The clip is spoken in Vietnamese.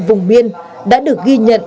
vùng biên đã được ghi nhận